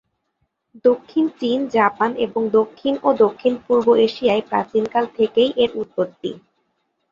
দক্ষিণ চীন, জাপান এবং দক্ষিণ ও দক্ষিণ-পূর্ব এশিয়ায় প্রাচীনকাল থেকেই এর উৎপত্তি।